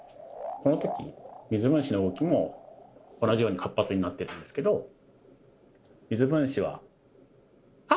この時水分子の動きも同じように活発になってるんですけど水分子はあら！